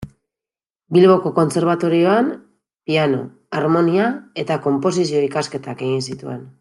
Bilboko Kontserbatorioan, piano-, harmonia- eta konposizio-ikasketak egin zituen.